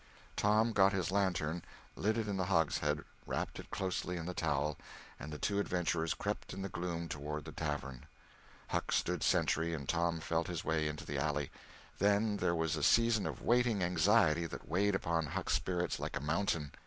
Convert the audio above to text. Tom got his lantern, lit it in the hogshead, wrapped it closely in the towel, and the two adventurers crept in the gloom toward the tavern. Huck stood sentry and Tom felt his way into the alley. Then there was a season of waiting anxiety that weighed upon Huck's spirits like a mountain.